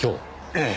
ええ。